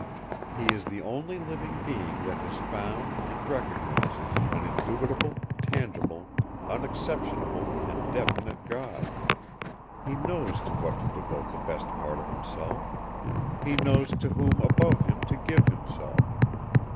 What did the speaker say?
He is the only living being that has found and recognizes an indubitable, tangible, unexceptionable and definite god. He knows to what to devote the best part of himself. He knows to whom above him to give himself.